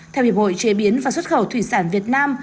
theo hiệp hội chế biến và xuất khẩu thủy sản việt nam